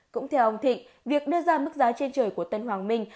cũng theo ông thị việc đưa ra mức giá trên trời của tân hoàng minh